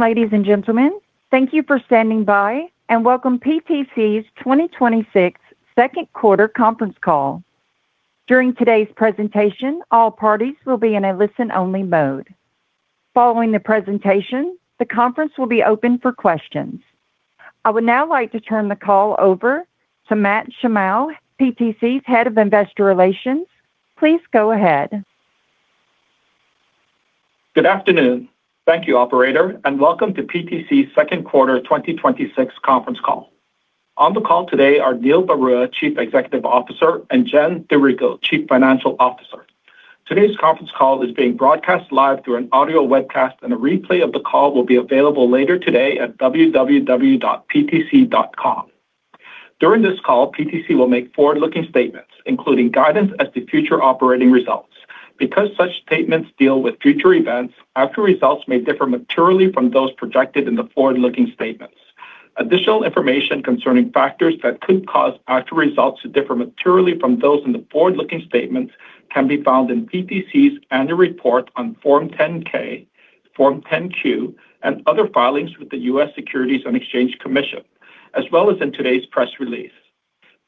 Evening, ladies and gentlemen. Thank you for standing by, and welcome PTC's 2026 Second Quarter Conference Call. During today's presentation, all parties will be in a listen-only mode. Following the presentation, the conference will be open for questions. I would now like to turn the call over to Matt Shimao, PTC's Head of Investor Relations. Please go ahead. Good afternoon. Thank you, operator, and welcome to PTC's Second Quarter 2026 Conference Call. On the call today are Neil Barua, Chief Executive Officer, and Jennifer DiRico, Chief Financial Officer. Today's conference call is being broadcast live through an audio webcast, and a replay of the call will be available later today at www.ptc.com. During this call, PTC will make forward-looking statements, including guidance as to future operating results. Because such statements deal with future events, actual results may differ materially from those projected in the forward-looking statements. Additional information concerning factors that could cause actual results to differ materially from those in the forward-looking statements can be found in PTC's annual report on Form 10-K, Form 10-Q, and other filings with the U.S. Securities and Exchange Commission, as well as in today's press release.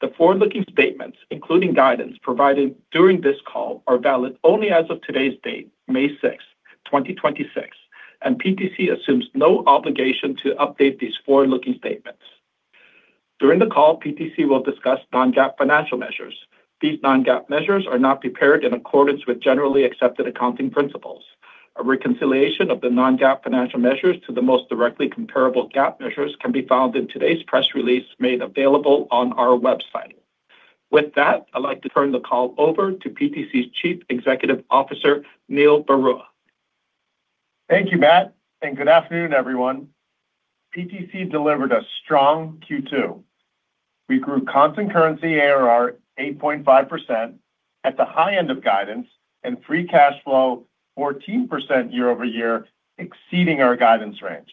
The forward-looking statements, including guidance provided during this call, are valid only as of today's date, May 6th, 2026, and PTC assumes no obligation to update these forward-looking statements. During the call, PTC will discuss non-GAAP financial measures. These non-GAAP measures are not prepared in accordance with Generally Accepted Accounting Principles. A reconciliation of the non-GAAP financial measures to the most directly comparable GAAP measures can be found in today's press release made available on our website. With that, I'd like to turn the call over to PTC's Chief Executive Officer, Neil Barua. Thank you, Matt, and good afternoon, everyone. PTC delivered a strong Q2. We grew constant currency ARR 8.5% at the high end of guidance and free cash flow 14% year-over-year, exceeding our guidance range.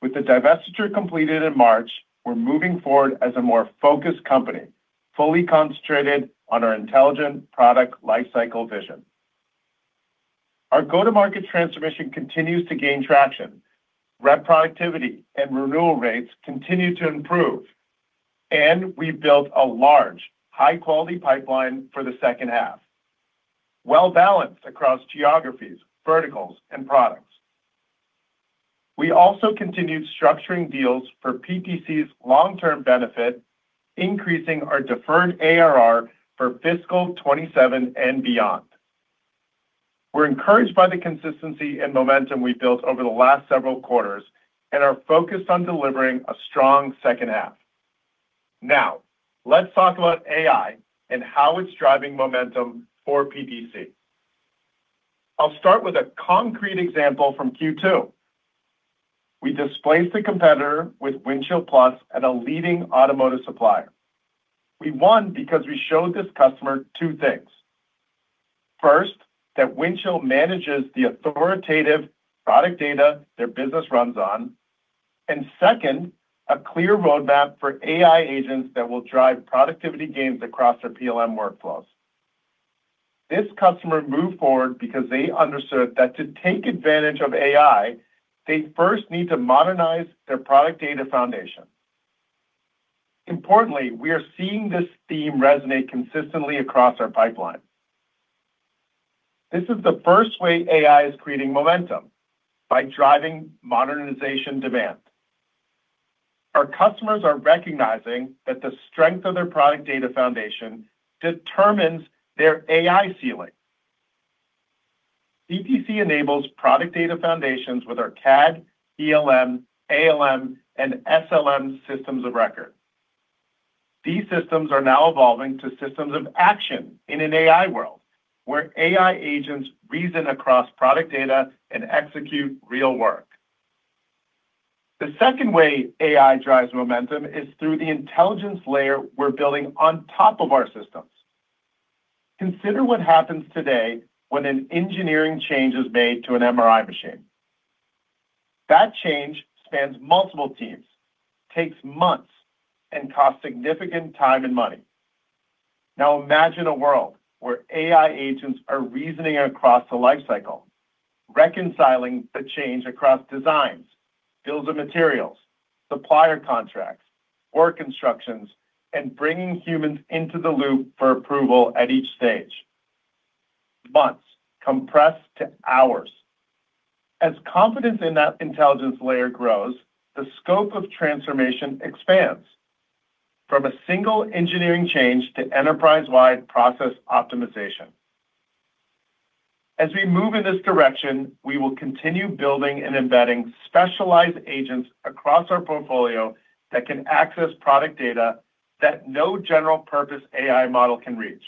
With the divestiture completed in March, we're moving forward as a more focused company, fully concentrated on our intelligent product lifecycle vision. Our go-to-market transformation continues to gain traction. Rep productivity and renewal rates continue to improve. We've built a large, high-quality pipeline for the second half, well-balanced across geographies, verticals, and products. We also continued structuring deals for PTC's long-term benefit, increasing our deferred ARR for fiscal 2027 and beyond. We're encouraged by the consistency and momentum we've built over the last several quarters and are focused on delivering a strong second half. Let's talk about AI and how it's driving momentum for PTC. I'll start with a concrete example from Q2. We displaced a competitor with Windchill+ at a leading automotive supplier. We won because we showed this customer two things. First, that Windchill manages the authoritative product data their business runs on. Second, a clear roadmap for AI agents that will drive productivity gains across their PLM workflows. This customer moved forward because they understood that to take advantage of AI, they first need to modernize their product data foundation. Importantly, we are seeing this theme resonate consistently across our pipeline. This is the first way AI is creating momentum, by driving modernization demand. Our customers are recognizing that the strength of their product data foundation determines their AI ceiling. PTC enables product data foundations with our CAD, PLM, ALM, and SLM systems of record. These systems are now evolving to systems of action in an AI world, where AI agents reason across product data and execute real work. The second way AI drives momentum is through the intelligence layer we're building on top of our systems. Consider what happens today when an engineering change is made to an MRI machine. That change spans multiple teams, takes months, and costs significant time and money. Imagine a world where AI agents are reasoning across the lifecycle, reconciling the change across designs, bills of materials, supplier contracts, work instructions, and bringing humans into the loop for approval at each stage. Months compressed to hours. Confidence in that intelligence layer grows, the scope of transformation expands from a single engineering change to enterprise-wide process optimization. As we move in this direction, we will continue building and embedding specialized agents across our portfolio that can access product data that no general-purpose AI model can reach.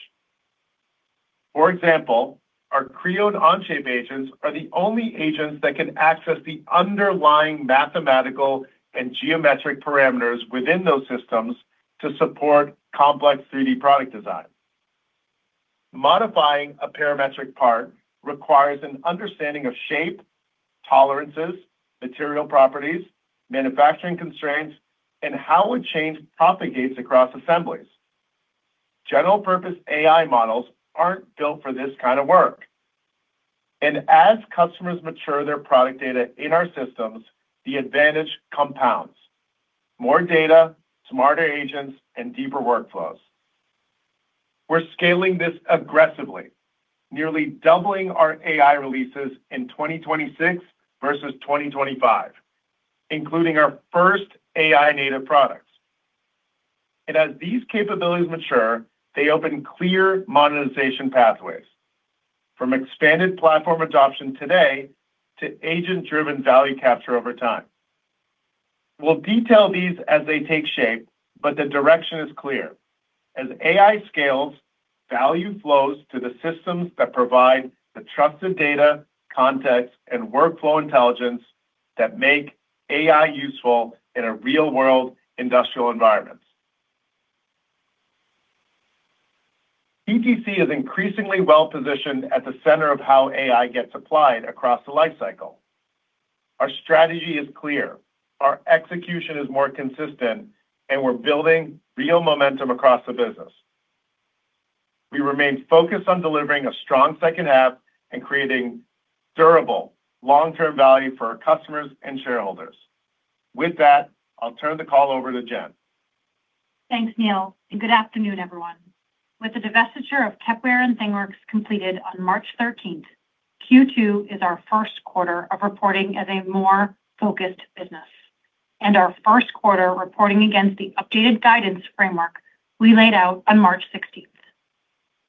For example, our Creo and Onshape agents are the only agents that can access the underlying mathematical and geometric parameters within those systems to support complex 3D product design. Modifying a parametric part requires an understanding of shape, tolerances, material properties, manufacturing constraints, and how a change propagates across assemblies. General purpose AI models aren't built for this kind of work. As customers mature their product data in our systems, the advantage compounds. More data, smarter agents, and deeper workflows. We're scaling this aggressively, nearly doubling our AI releases in 2026 versus 2025, including our first AI native products. As these capabilities mature, they open clear monetization pathways from expanded platform adoption today to agent-driven value capture over time. We'll detail these as they take shape, but the direction is clear. As AI scales, value flows to the systems that provide the trusted data, context, and workflow intelligence that make AI useful in a real-world industrial environment. PTC is increasingly well-positioned at the center of how AI gets applied across the lifecycle. Our strategy is clear, our execution is more consistent, and we're building real momentum across the business. We remain focused on delivering a strong second half and creating durable long-term value for our customers and shareholders. With that, I'll turn the call over to Jen. Thanks, Neil, and good afternoon, everyone. With the divestiture of Kepware and ThingWorx completed on March 13th, Q2 is our first quarter of reporting as a more focused business, and our first quarter reporting against the updated guidance framework we laid out on March 16th.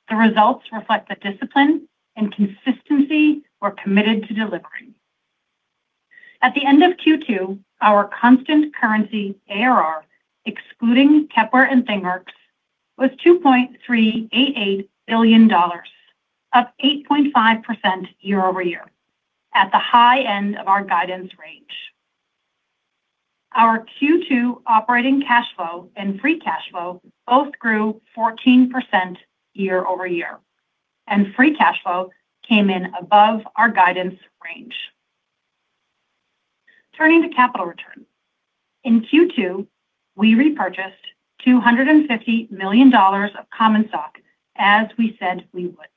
The results reflect the discipline and consistency we're committed to delivering. At the end of Q2, our constant currency ARR, excluding Kepware and ThingWorx, was $2.388 billion, up 8.5% year-over-year at the high end of our guidance range. Our Q2 operating cash flow and free cash flow both grew 14% year-over-year, and free cash flow came in above our guidance range. Turning to capital return. In Q2, we repurchased $250 million of common stock, as we said we would.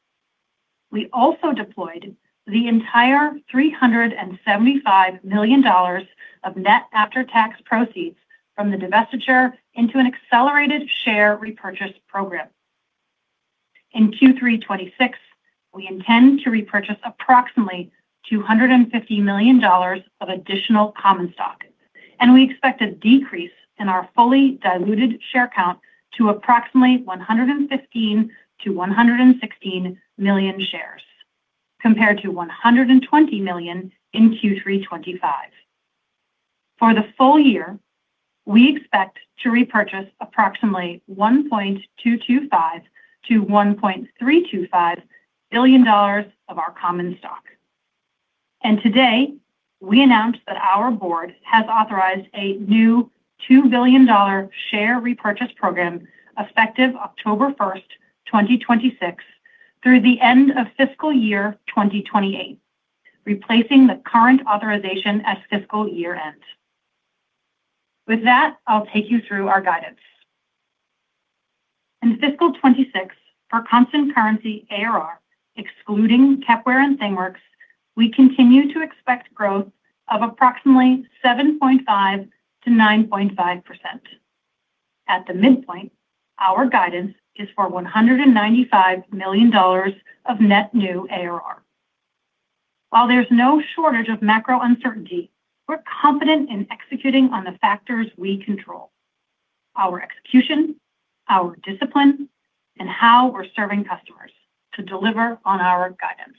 We also deployed the entire $375 million of net after-tax proceeds from the divestiture into an accelerated share repurchase program. In Q3 2026, we intend to repurchase approximately $250 million of additional common stock. We expect a decrease in our fully diluted share count to approximately 115 million-116 million shares, compared to 120 million in Q3 2025. For the full year, we expect to repurchase approximately $1.225 billion-$1.325 billion of our common stock. Today, we announced that our board has authorized a new $2 billion share repurchase program effective October 1st, 2026 through the end of fiscal year 2028, replacing the current authorization at fiscal year-end. With that, I'll take you through our guidance. In fiscal 2026, for constant currency ARR, excluding Kepware and ThingWorx, we continue to expect growth of approximately 7.5%-9.5%. At the midpoint, our guidance is for $195 million of net new ARR. While there's no shortage of macro uncertainty, we're confident in executing on the factors we control, our execution, our discipline, and how we're serving customers to deliver on our guidance.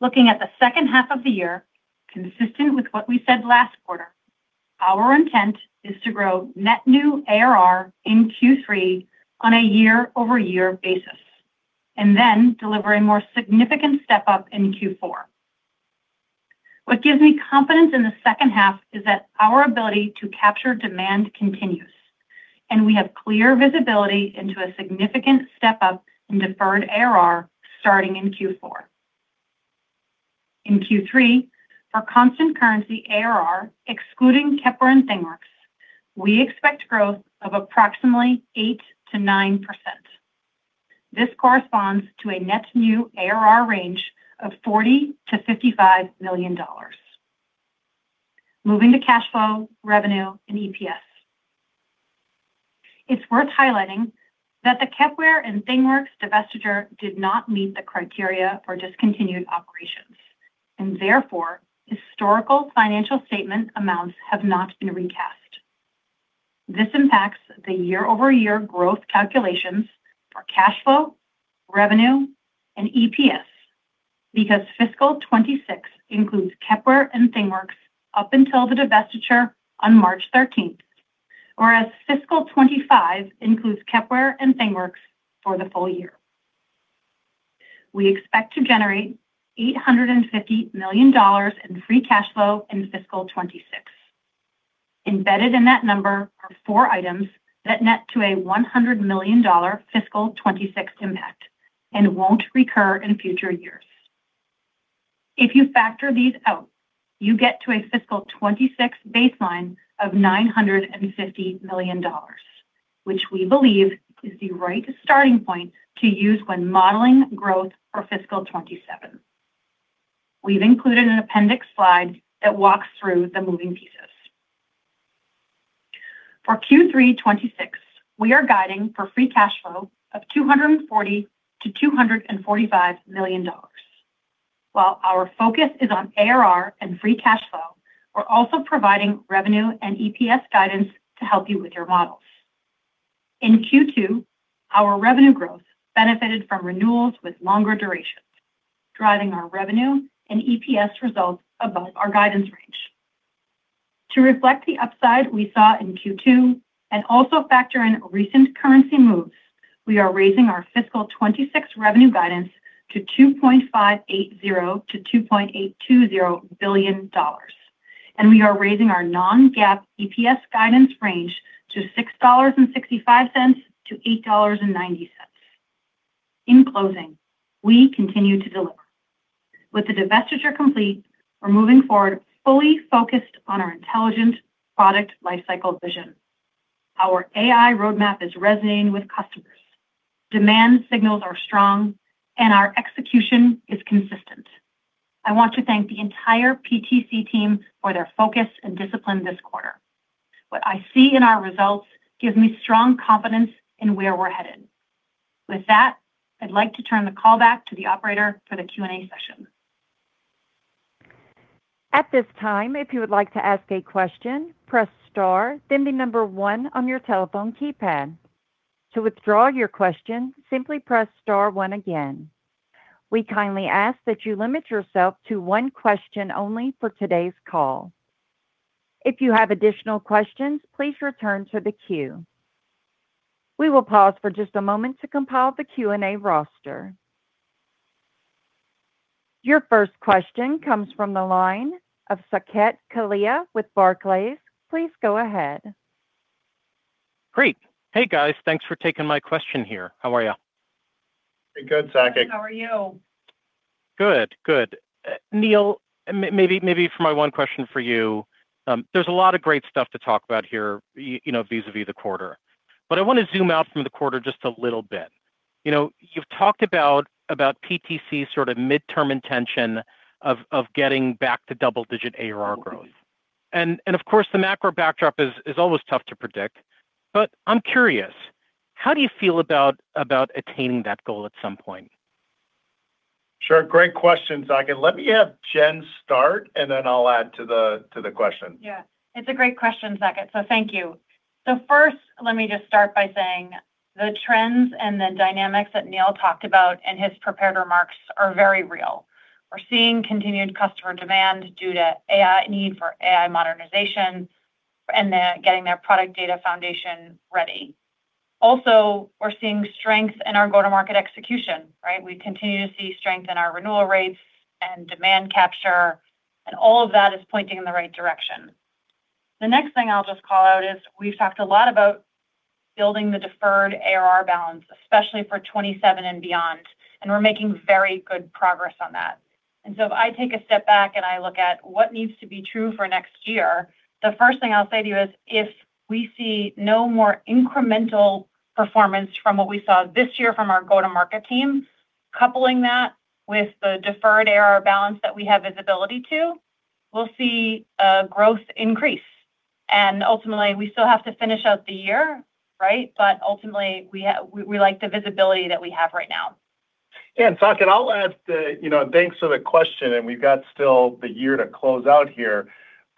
Looking at the second half of the year, consistent with what we said last quarter, our intent is to grow net new ARR in Q3 on a year-over-year basis, and then deliver a more significant step-up in Q4. What gives me confidence in the second half is that our ability to capture demand continues, and we have clear visibility into a significant step-up in deferred ARR starting in Q4. In Q3, for constant currency ARR, excluding Kepware and ThingWorx, we expect growth of approximately 8%-9%. This corresponds to a net new ARR range of $40 million-$55 million. Moving to cash flow, revenue, and EPS. It's worth highlighting that the Kepware and ThingWorx divestiture did not meet the criteria for discontinued operations, and therefore, historical financial statement amounts have not been recast. This impacts the year-over-year growth calculations for cash flow, revenue, and EPS because fiscal 2026 includes Kepware and ThingWorx up until the divestiture on March 13th, whereas fiscal 2025 includes Kepware and ThingWorx for the full year. We expect to generate $850 million in free cash flow in fiscal 2026. Embedded in that number are four items that net to a $100 million fiscal 2026 impact and won't recur in future years. If you factor these out, you get to a fiscal 2026 baseline of $950 million, which we believe is the right starting point to use when modeling growth for fiscal 2027. We've included an appendix slide that walks through the moving pieces. For Q3 2026, we are guiding for free cash flow of $240 million-$245 million. While our focus is on ARR and free cash flow, we're also providing revenue and EPS guidance to help you with your models. In Q2, our revenue growth benefited from renewals with longer durations, driving our revenue and EPS results above our guidance range. To reflect the upside we saw in Q2 and also factor in recent currency moves, we are raising our fiscal 2026 revenue guidance to $2.580 billion-$2.820 billion, and we are raising our non-GAAP EPS guidance range to $6.65-$8.90. In closing, we continue to deliver. With the divestiture complete, we're moving forward fully focused on our intelligent product lifecycle vision. Our AI roadmap is resonating with customers. Demand signals are strong, and our execution is consistent. I want to thank the entire PTC team for their focus and discipline this quarter. What I see in our results gives me strong confidence in where we're headed. With that, I'd like to turn the call back to the operator for the Q&A session. At this time if you like to ask a question, press star then the number one in your telephone keypad. To withdraw your question simply press star, one again. We kindly ask that you limit yourself to one question only for today's call. If you have additional questions, please return to the queue. We will pause for just a moment to compile the Q&A roster. Your first question comes from the line of Saket Kalia with Barclays. Please go ahead. Great. Hey, guys. Thanks for taking my question here. How are you? Hey good, Saket. How are you? Good. Good. Neil, maybe for my one question for you, there's a lot of great stuff to talk about here you know, vis-à-vis the quarter. I want to zoom out from the quarter just a little bit. You know, you've talked about PTC sort of midterm intention of getting back to double-digit ARR growth. Of course, the macro backdrop is always tough to predict, I'm curious, how do you feel about attaining that goal at some point? Sure. Great question, Saket. Let me have Jen start, and then I'll add to the question. Yeah. It's a great question, Saket, thank you. First, let me just start by saying the trends and the dynamics that Neil talked about in his prepared remarks are very real. We're seeing continued customer demand due to AI, need for AI modernization and the getting their product data foundation ready. Also, we're seeing strength in our go-to-market execution, right? We continue to see strength in our renewal rates and demand capture, all of that is pointing in the right direction. The next thing I'll just call out is we've talked a lot about building the deferred ARR balance, especially for 2027 and beyond, we're making very good progress on that. If I take a step back, and I look at what needs to be true for next year, the first thing I'll say to you is, if we see no more incremental performance from what we saw this year from our go-to-market team, coupling that with the deferred ARR balance that we have visibility to, we'll see a growth increase. Ultimately, we still have to finish out the year, right? Ultimately, we like the visibility that we have right now. Yeah. Saket, I'll add, you know, thanks for the question. We've got still the year to close out here.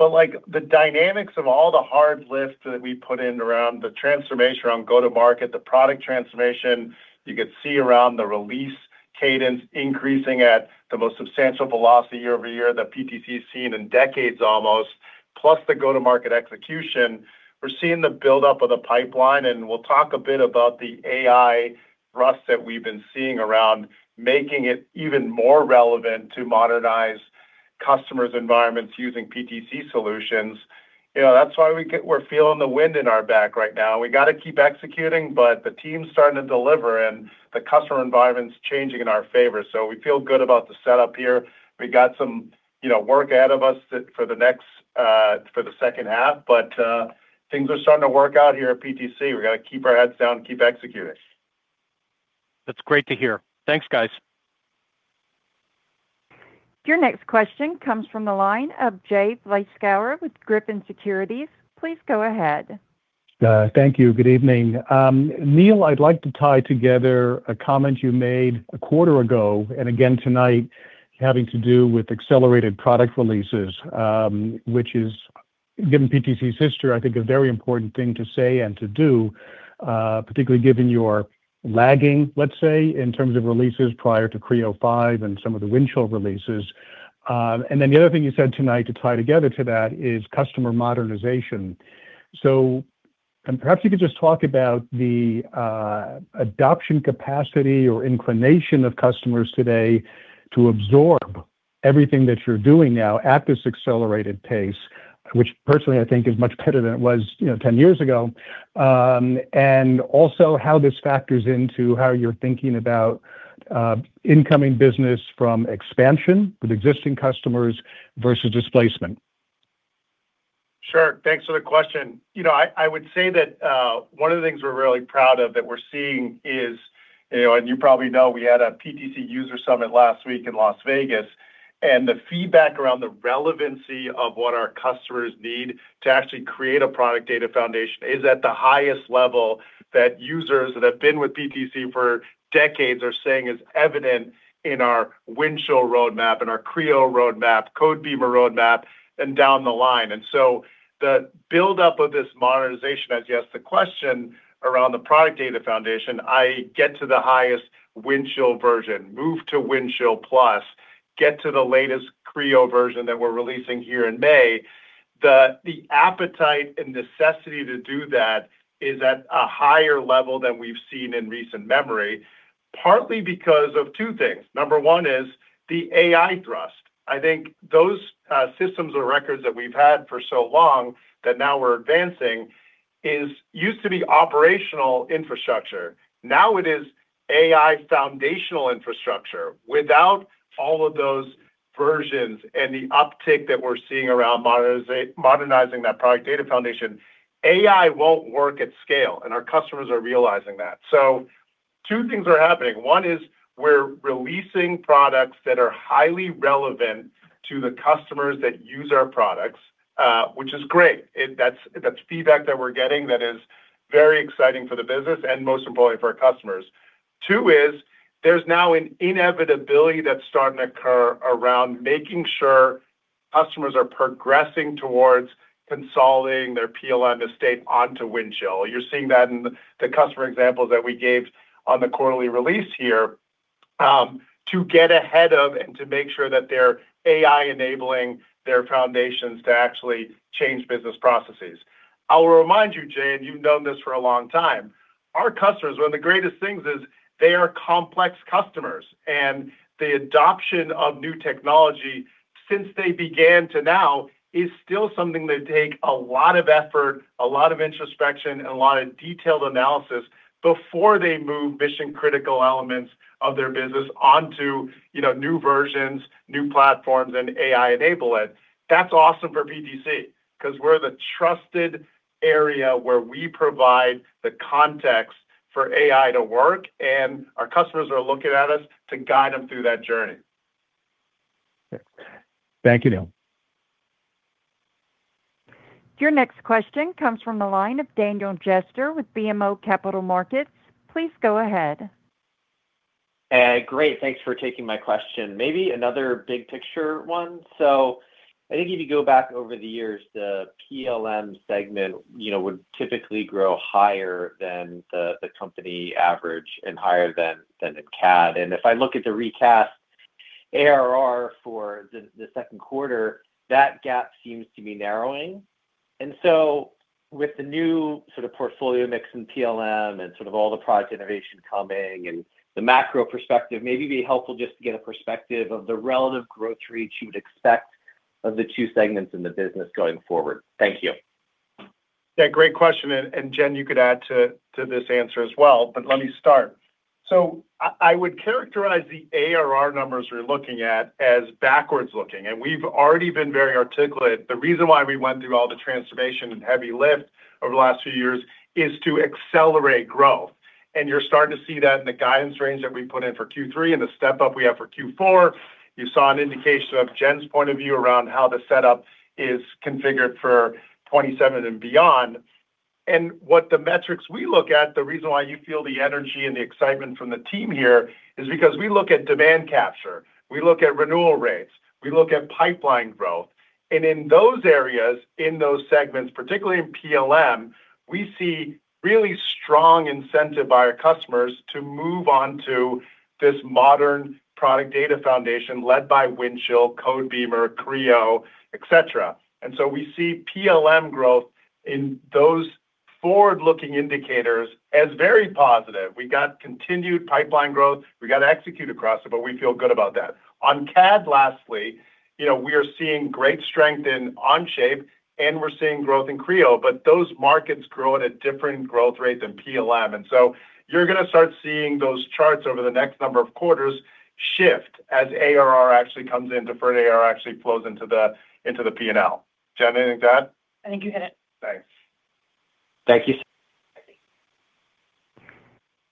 Like, the dynamics of all the hard lifts that we put in around the transformation around go-to-market, the product transformation, you could see around the release cadence increasing at the most substantial velocity year-over-year that PTC's seen in decades almost, plus the go-to-market execution. We're seeing the buildup of the pipeline. We'll talk a bit about the AI thrust that we've been seeing around making it even more relevant to modernize customers' environments using PTC solutions. You know, that's why we're feeling the wind in our back right now. We gotta keep executing. The team's starting to deliver. The customer environment's changing in our favor. We feel good about the setup here. We got some, you know, work ahead of us that for the next, for the second half. Things are starting to work out here at PTC. We gotta keep our heads down, keep executing. That's great to hear. Thanks, guys. Your next question comes from the line of Jay Vleeschhouwer with Griffin Securities. Please go ahead. Thank you. Good evening. Neil, I'd like to tie together a comment you made a quarter ago and again tonight having to do with accelerated product releases, which is, given PTC's history, I think a very important thing to say and to do, particularly given your lagging, let's say, in terms of releases prior to Creo 5.0 and some of the Windchill releases. The other thing you said tonight to tie together to that is customer modernization. Perhaps you could just talk about the adoption capacity or inclination of customers today to absorb everything that you're doing now at this accelerated pace, which personally I think is much better than it was, you know, 10 years ago. Also how this factors into how you're thinking about incoming business from expansion with existing customers versus displacement. Sure. Thanks for the question. You know, I would say that one of the things we're really proud of that we're seeing is, you know, and you probably know, we had a PTC user summit last week in Las Vegas. The feedback around the relevancy of what our customers need to actually create a product data foundation is at the highest level that users that have been with PTC for decades are saying is evident in our Windchill roadmap and our Creo roadmap, Codebeamer roadmap, and down the line. The buildup of this modernization, as you asked the question around the product data foundation, I get to the highest Windchill version, move to Windchill+, get to the latest Creo version that we're releasing here in May. The appetite and necessity to do that is at a higher level than we've seen in recent memory, partly because of two things. Number one is the AI thrust. I think those systems of records that we've had for so long that now we're advancing is used to be operational infrastructure. Now it is AI foundational infrastructure. Without all of those versions and the uptick that we're seeing around modernizing that product data foundation, AI won't work at scale, and our customers are realizing that. Two things are happening. one is we're releasing products that are highly relevant to the customers that use our products, which is great. That's feedback that we're getting that is very exciting for the business and most importantly for our customers. Two is there's now an inevitability that's starting to occur around making sure customers are progressing towards consolidating their PLM estate onto Windchill. You're seeing that in the customer examples that we gave on the quarterly release here, to get ahead of and to make sure that they're AI-enabling their foundations to actually change business processes. I will remind you, Jay, and you've known this for a long time, our customers, one of the greatest things is they are complex customers. The adoption of new technology since they began to now is still something that take a lot of effort, a lot of introspection, and a lot of detailed analysis before they move mission-critical elements of their business onto, you know, new versions, new platforms, and AI-enable it. That's awesome for PTC because we're the trusted area where we provide the context for AI to work, and our customers are looking at us to guide them through that journey. Thank you, Neil. Your next question comes from the line of Daniel Jester with BMO Capital Markets. Please go ahead. Great. Thanks for taking my question. Maybe another big picture one. I think if you go back over the years, the PLM segment, you know, would typically grow higher than the company average and higher than the CAD. If I look at the recast ARR for the second quarter, that gap seems to be narrowing. With the new sort of portfolio mix in PLM and sort of all the product innovation coming and the macro perspective, maybe it'd be helpful just to get a perspective of the relative growth rate you would expect of the two segments in the business going forward. Thank you. Yeah, great question. Jen, you could add to this answer as well, but let me start. I would characterize the ARR numbers we're looking at as backwards-looking, and we've already been very articulate. The reason why we went through all the transformation and heavy lift over the last few years is to accelerate growth. You're starting to see that in the guidance range that we put in for Q3 and the step-up we have for Q4. You saw an indication of Jen's point of view around how the setup is configured for 2027 and beyond. What the metrics we look at, the reason why you feel the energy and the excitement from the team here is because we look at demand capture, we look at renewal rates, we look at pipeline growth. In those areas, in those segments, particularly in PLM, we see really strong incentive by our customers to move on to this modern product data foundation led by Windchill, Codebeamer, Creo, et cetera. We see PLM growth in those forward-looking indicators as very positive. We got continued pipeline growth. We got to execute across it, but we feel good about that. On CAD, lastly, you know, we are seeing great strength in Onshape, and we're seeing growth in Creo, but those markets grow at a different growth rate than PLM. You're gonna start seeing those charts over the next number of quarters shift as ARR actually comes in, deferred ARR actually flows into the P&L. Jen, anything to add? I think you hit it. Thanks. Thank you.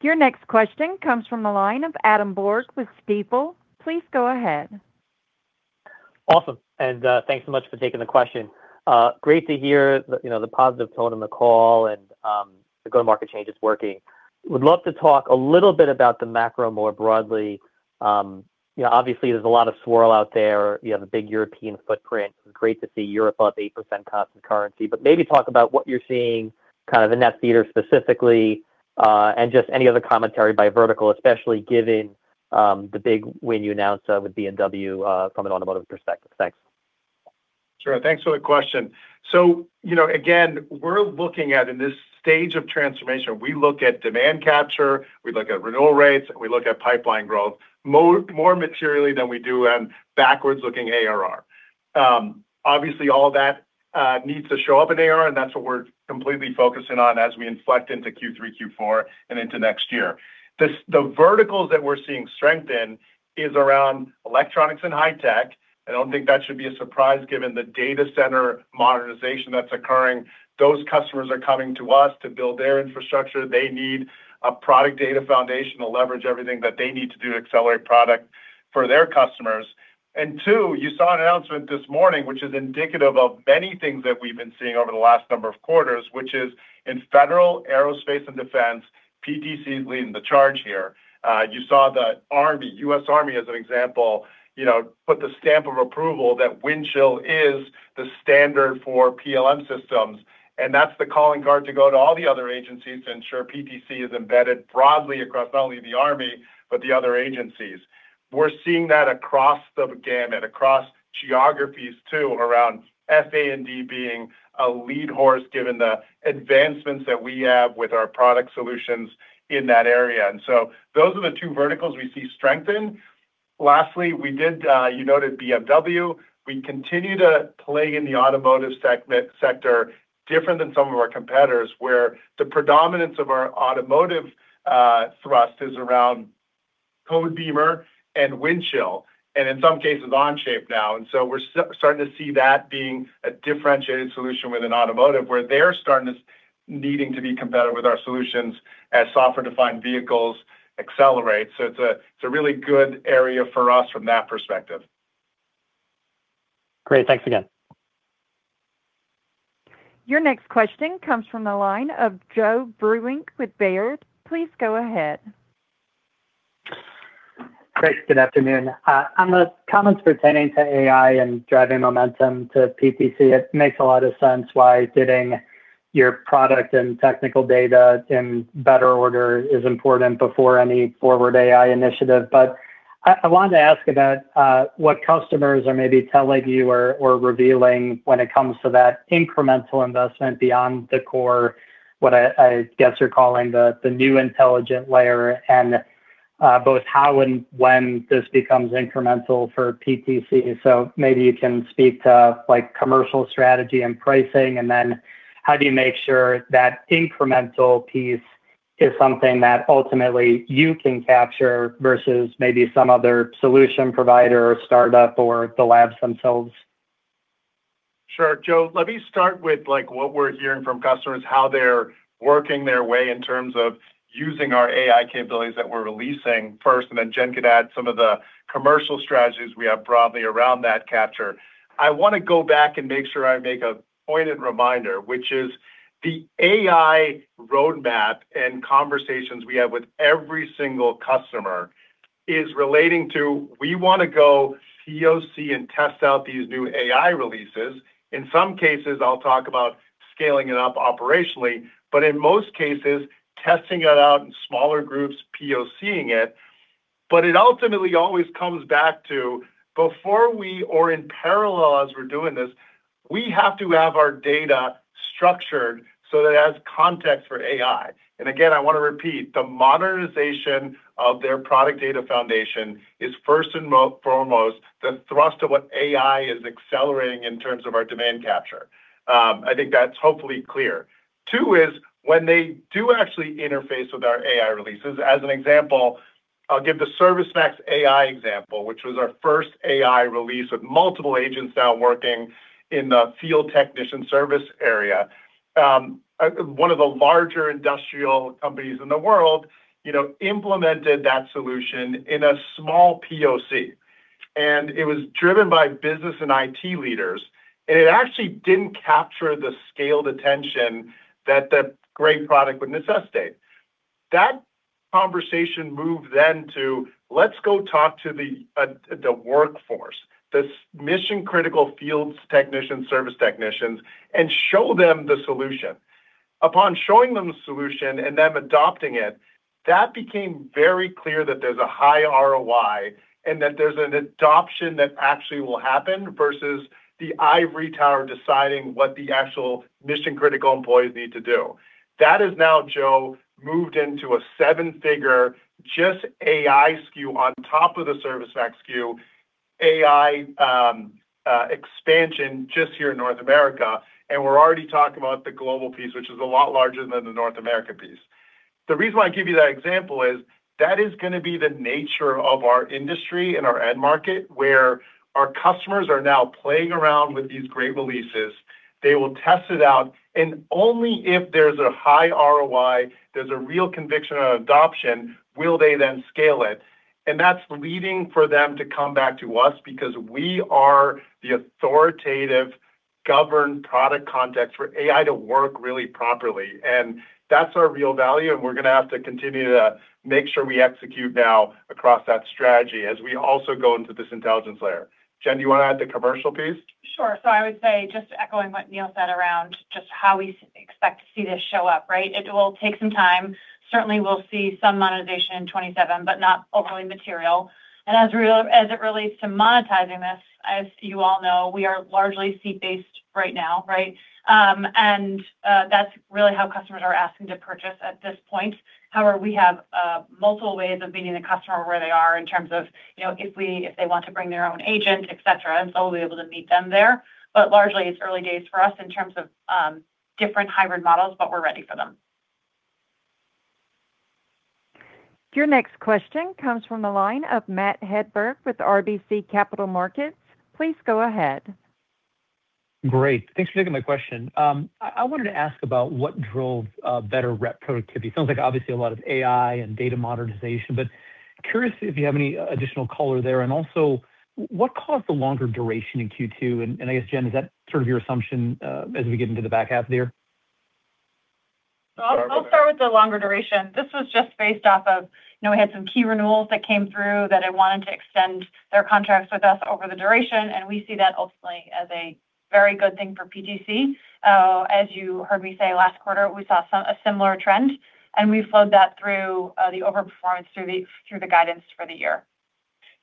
Your next question comes from the line of Adam Borg with Stifel. Please go ahead. Awesome. Thanks so much for taking the question. Great to hear the, you know, the positive tone on the call and the go-to-market change is working. Would love to talk a little bit about the macro more broadly. You know, obviously there's a lot of swirl out there. You have a big European footprint. It's great to see Europe up 8% constant currency, but maybe talk about what you're seeing kind of in that theater specifically, and just any other commentary by vertical, especially given the big win you announced with BMW from an automotive perspective? Thanks. Sure. Thanks for the question. You know, again, we're looking at in this stage of transformation, we look at demand capture, we look at renewal rates, and we look at pipeline growth more materially than we do in backwards-looking ARR. Obviously all that needs to show up in ARR, and that's what we're completely focusing on as we inflect into Q3, Q4 and into next year. The verticals that we're seeing strength in is around electronics and high tech. I don't think that should be a surprise given the data center modernization that's occurring. Those customers are coming to us to build their infrastructure. They need a product data foundation to leverage everything that they need to do to accelerate product for their customers. And two, you saw an announcement this morning, which is indicative of many things that we've been seeing over the last number of quarters, which is in Federal, Aerospace, and Defense, PTC is leading the charge here. You saw the U.S. Army as an example, you know, put the stamp of approval that Windchill is the standard for PLM systems, and that's the calling card to go to all the other agencies to ensure PTC is embedded broadly across not only the U.S. Army, but the other agencies. We're seeing that across the gamut, across geographies too, around FA&D being a lead horse, given the advancements that we have with our product solutions in that area. Those are the two verticals we see strength in. Lastly, we did, you noted BMW. We continue to play in the automotive sector different than some of our competitors, where the predominance of our automotive thrust is around Codebeamer and Windchill, and in some cases, Onshape now. We're starting to see that being a differentiated solution within automotive, where they're starting to needing to be competitive with our solutions as software-defined vehicles accelerate. It's a really good area for us from that perspective. Great. Thanks again. Your next question comes from the line of Joe Vruwink with Baird. Please go ahead. Chris, good afternoon. On the comments pertaining to AI and driving momentum to PTC, it makes a lot of sense why getting your product and technical data in better order is important before any forward AI initiative. I wanted to ask about what customers are maybe telling you or revealing when it comes to that incremental investment beyond the core, what I guess you're calling the new intelligent layer, and both how and when this becomes incremental for PTC. Maybe you can speak to like commercial strategy and pricing, and then how do you make sure that incremental piece is something that ultimately you can capture versus maybe some other solution provider or startup or the labs themselves? Sure. Joe, let me start with like what we're hearing from customers, how they're working their way in terms of using our AI capabilities that we're releasing first, Jen could add some of the commercial strategies we have broadly around that capture. I wanna go back and make sure I make a pointed reminder, which is the AI roadmap and conversations we have with every single customer is relating to, we wanna go POC and test out these new AI releases. In some cases, I'll talk about scaling it up operationally. In most cases, testing it out in smaller groups, POC-ing it. It ultimately always comes back to before we or in parallel as we're doing this, we have to have our data structured so that it has context for AI. Again, I wanna repeat, the modernization of their product data foundation is first and foremost the thrust of what AI is accelerating in terms of our demand capture. I think that's hopefully clear. Two is, when they do actually interface with our AI releases, as an example, I'll give the ServiceMax AI example, which was our first AI release with multiple agents now working in the field technician service area. One of the larger industrial companies in the world, you know, implemented that solution in a small POC, and it was driven by business and IT leaders. It actually didn't capture the scaled attention that the great product would necessitate. That conversation moved then to, let's go talk to the workforce, this mission-critical fields technicians, service technicians, and show them the solution. Upon showing them the solution and them adopting it, that became very clear that there's a high ROI and that there's an adoption that actually will happen versus the ivory tower deciding what the actual mission-critical employees need to do. That has now, Joe, moved into a seven figure just AI SKU on top of the ServiceMax SKU AI expansion just here in North America. We're already talking about the global piece, which is a lot larger than the North America piece. The reason why I give you that example is that is gonna be the nature of our industry and our end market, where our customers are now playing around with these great releases. They will test it out, and only if there's a high ROI, there's a real conviction on adoption, will they then scale it. That's leading for them to come back to us because we are the authoritative governed product context for AI to work really properly. That's our real value, and we're gonna have to continue to make sure we execute now across that strategy as we also go into this intelligence layer. Jen, do you wanna add the commercial piece? Sure. I would say, just echoing what Neil said around just how we expect to see this show up, right? It will take some time. Certainly, we'll see some monetization in 2027, but not overly material. As it relates to monetizing this, as you all know, we are largely seat-based right now, right? That's really how customers are asking to purchase at this point. However, we have multiple ways of meeting the customer where they are in terms of, you know, if they want to bring their own agent, et cetera. We'll be able to meet them there. Largely, it's early days for us in terms of different hybrid models, but we're ready for them. Your next question comes from the line of Matt Hedberg with RBC Capital Markets. Please go ahead. Great. Thanks for taking my question. I wanted to ask about what drove better rep productivity. It sounds like obviously a lot of AI and data modernization, but curious if you have any additional color there. Also what caused the longer duration in Q2? I guess, Jen, is that sort of your assumption as we get into the back half there? I'll start with the longer duration. This was just based off of, you know, we had some key renewals that came through that had wanted to extend their contracts with us over the duration, and we see that ultimately as a very good thing for PTC. As you heard me say last quarter, we saw a similar trend, and we flowed that through the overperformance through the guidance for the year.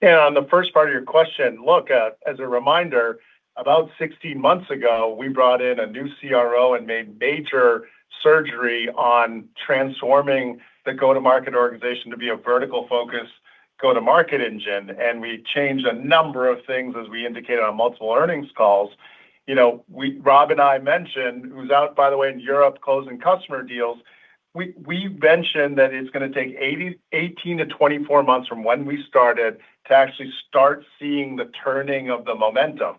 On the first part of your question, look, as a reminder, about 16 months ago, we brought in a new CRO and made major surgery on transforming the go-to-market organization to be a vertical-focused go-to-market engine. We changed a number of things as we indicated on multiple earnings calls. You know, Rob and I mentioned, who's out, by the way, in Europe closing customer deals, we mentioned that it's gonna take 18-24 months from when we started to actually start seeing the turning of the momentum.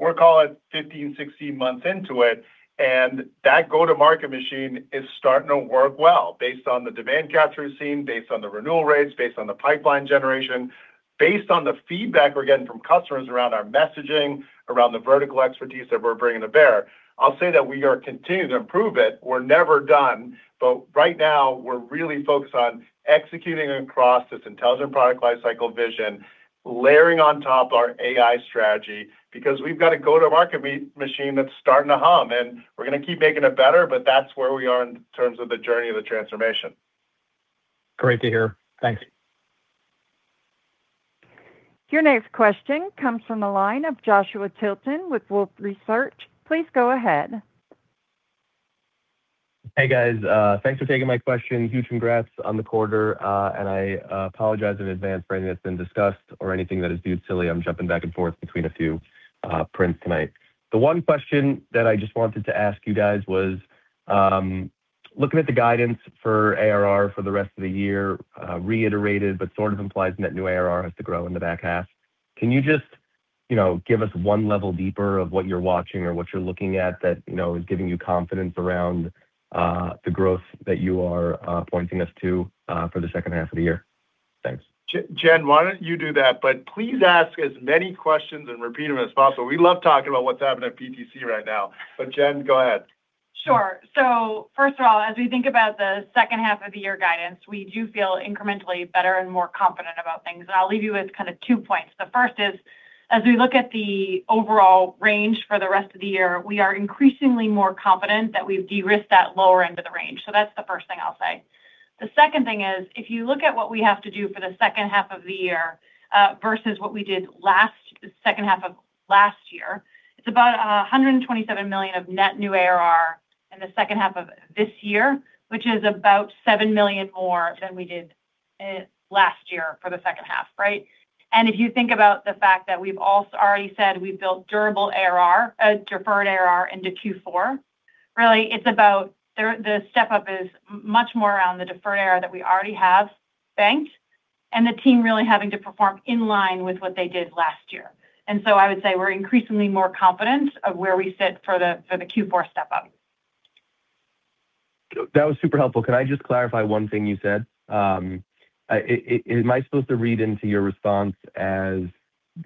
We're call it 15, 16 months into it, and that go-to-market machine is starting to work well based on the demand capture we've seen, based on the renewal rates, based on the pipeline generation, based on the feedback we're getting from customers around our messaging, around the vertical expertise that we're bringing to bear. I'll say that we are continuing to improve it. We're never done. Right now we're really focused on executing across this intelligent product lifecycle vision, layering on top our AI strategy because we've got a go-to-market machine that's starting to hum. We're gonna keep making it better, but that's where we are in terms of the journey of the transformation. Great to hear. Thanks. Your next question comes from the line of Joshua Tilton with Wolfe Research. Please go ahead. Hey, guys. Thanks for taking my question. Huge congrats on the quarter. I apologize in advance for anything that's been discussed or anything that is due silly. I'm jumping back and forth between a few prints tonight. The one question that I just wanted to ask you guys was, looking at the guidance for ARR for the rest of the year, reiterated but sort of implies net new ARR has to grow in the back half. Can you just, you know, give us one level deeper of what you're watching or what you're looking at that you know is giving you confidence around the growth that you are pointing us to for the second half of the year? Thanks. Jen, why don't you do that? Please ask as many questions and repeat them as possible. We love talking about what's happening at PTC right now. Jen, go ahead. Sure. First of all, as we think about the second half of the year guidance, we do feel incrementally better and more confident about things. I'll leave you with kind of two points. The first is, as we look at the overall range for the rest of the year, we are increasingly more confident that we've de-risked that lower end of the range. That's the first thing I'll say. The second thing is, if you look at what we have to do for the second half of the year, versus what we did last, second half of last year, it's about $127 million of net new ARR in the second half of this year, which is about $7 million more than we did last year for the second half, right? If you think about the fact that we've already said we've built durable ARR, deferred ARR into Q4, really it's about the step-up is much more around the deferred ARR that we already have banked and the team really having to perform in line with what they did last year. I would say we're increasingly more confident of where we sit for the Q4 step up. That was super helpful. Could I just clarify one thing you said? Am I supposed to read into your response as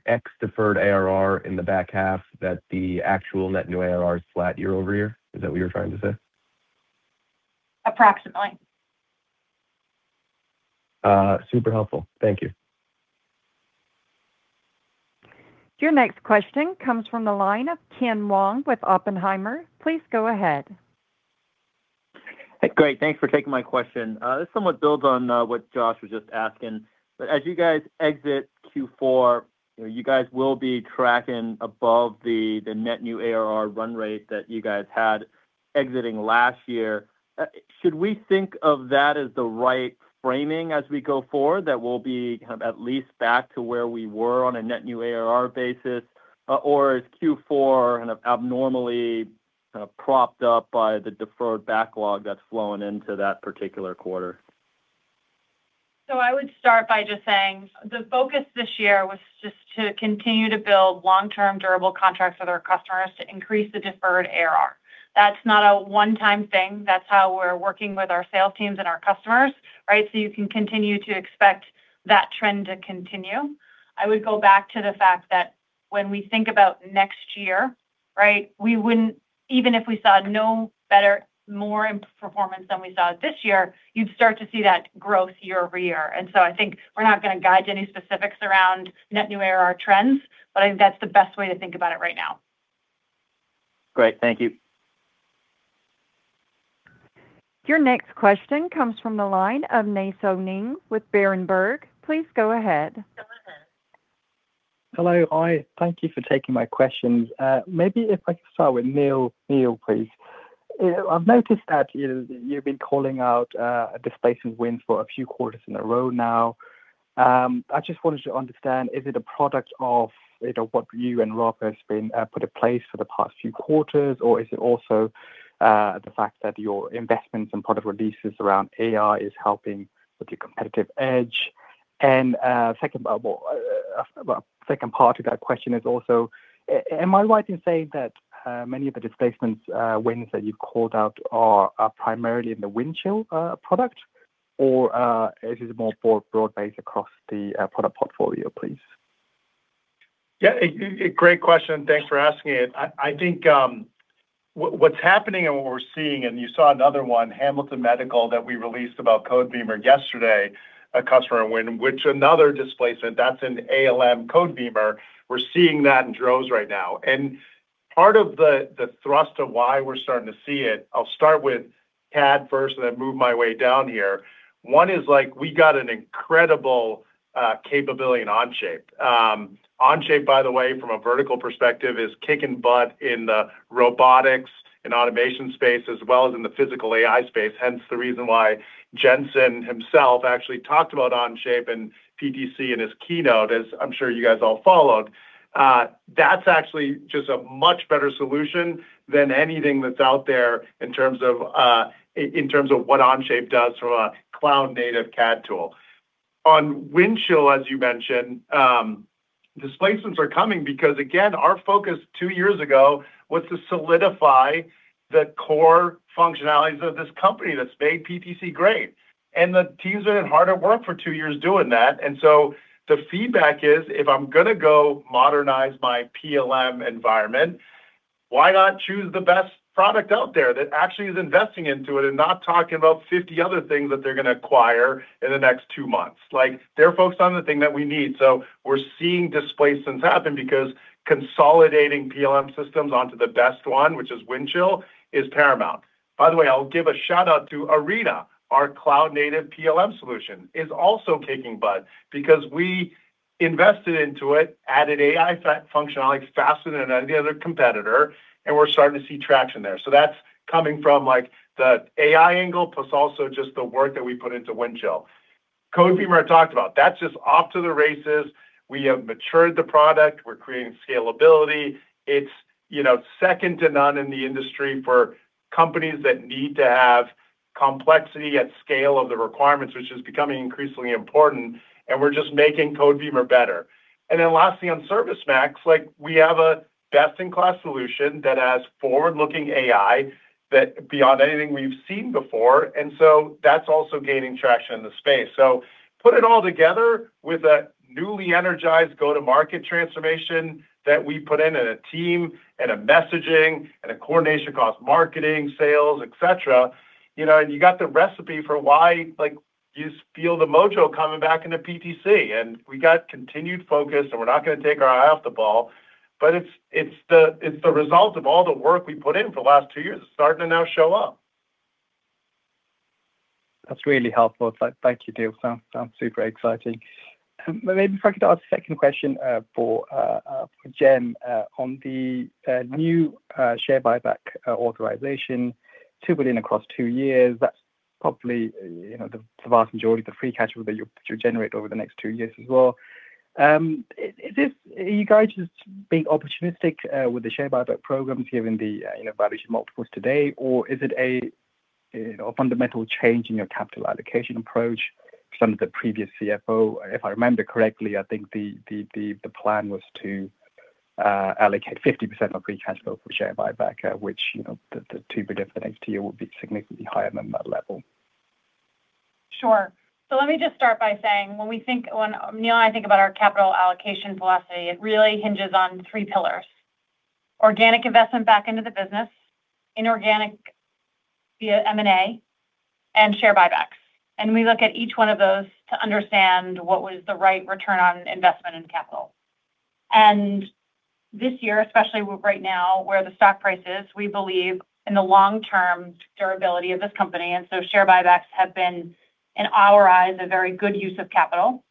X deferred ARR in the back half, that the actual net new ARR is flat year-over-year? Is that what you're trying to say? Approximately. Super helpful. Thank you. Your next question comes from the line of Ken Wong with Oppenheimer. Please go ahead. Hey, great. Thanks for taking my question. This somewhat builds on what Josh was just asking. As you guys exit Q4, you know, you guys will be tracking above the net new ARR run rate that you guys had exiting last year. Should we think of that as the right framing as we go forward? That we'll be kind of at least back to where we were on a net new ARR basis, or is Q4 kind of abnormally propped up by the deferred backlog that's flowing into that particular quarter? I would start by just saying the focus this year was just to continue to build long-term durable contracts with our customers to increase the deferred ARR. That's not a one time thing. That's how we're working with our sales teams and our customers, right? You can continue to expect that trend to continue. I would go back to the fact that when we think about next year, right, even if we saw no better, more performance than we saw this year, you'd start to see that growth year-over-year. I think we're not gonna guide any specifics around net new ARR trends, but I think that's the best way to think about it right now. Great. Thank you. Your next question comes from the line of Nay Soe Naing with Berenberg. Please go ahead. Hello. I, thank you for taking my questions. Maybe if I could start with Neil, please. I've noticed that, you know, you've been calling out displacing wins for a few quarters in a row now. I just wanted to understand, is it a product of, you know, what you and Rocco has been put in place for the past few quarters? Is it also the fact that your investments and product releases around AI is helping with your competitive edge? Second, well, second part to that question is also, am I right in saying that many of the displacements wins that you've called out are primarily in the Windchill product? Is it more broad-based across the product portfolio, please? Yeah, a great question. Thanks for asking it. I think what's happening and what we're seeing, you saw another one, Hamilton Medical, that we released about Codebeamer yesterday, a customer win. Which another displacement, that's an ALM Codebeamer. We're seeing that in droves right now. Part of the thrust of why we're starting to see it, I'll start with CAD first and then move my way down here. One is like, we got an incredible capability in Onshape. Onshape, by the way, from a vertical perspective, is kicking butt in the robotics and automation space, as well as in the physical AI space. Hence, the reason why Jensen himself actually talked about Onshape in PTC in his keynote, as I'm sure you guys all followed. That's actually just a much better solution than anything that's out there in terms of, in terms of what Onshape does from a cloud native CAD tool. On Windchill, as you mentioned, displacements are coming because again, our focus two years ago was to solidify the core functionalities of this company that's made PTC great. The teams have been hard at work for two years doing that. The feedback is, if I'm gonna go modernize my PLM environment, why not choose the best product out there that actually is investing into it and not talking about 50 other things that they're gonna acquire in the next two months? Like, they're focused on the thing that we need. We're seeing displacements happen because consolidating PLM systems onto the best one, which is Windchill, is paramount. By the way, I'll give a shout-out to Arena. Our cloud native PLM solution is also kicking butt because we invested into it, added AI functionalities faster than any other competitor, and we're starting to see traction there. That's coming from like the AI angle, plus also just the work that we put into Windchill. Codebeamer, I talked about. That's just off to the races. We have matured the product. We're creating scalability. It's, you know, second to none in the industry for companies that need to have complexity at scale of the requirements, which is becoming increasingly important, and we're just making Codebeamer better. Lastly, on ServiceMax, like we have a best-in-class solution that has forward-looking AI that beyond anything we've seen before, and so that's also gaining traction in the space. Put it all together with a newly energized go-to-market transformation that we put in a team and a messaging and a coordination across marketing, sales, et cetera. You know, you got the recipe for why, like, you feel the mojo coming back into PTC. We got continued focus, and we're not gonna take our eye off the ball, but it's the result of all the work we put in for the last two years. It's starting to now show up. That's really helpful. Thank you, Neil. Sounds super exciting. Maybe if I could ask a second question for Jen on the new share buyback authorization, $2 billion across two years. That's probably, you know, the vast majority of the free cash flow that you'll generate over the next two years as well. Are you guys just being opportunistic with the share buyback program given the, you know, valuation multiples today? Or is it a fundamental change in your capital allocation approach from the previous CFO? If I remember correctly, I think the plan was to allocate 50% of free cash flow for share buyback, which, you know, the $2 billion for next year will be significantly higher than that level. Sure. Let me just start by saying, when Neil and I think about our capital allocation philosophy, it really hinges on three pillars: organic investment back into the business, inorganic via M&A, and share buybacks. We look at each one of those to understand what was the right return on investment in capital. This year, especially right now, where the stock price is, we believe in the long-term durability of this company, share buybacks have been, in our eyes, a very good use of capital.